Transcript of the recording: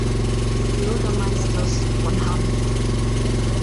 Bürgermeisters von Hamm.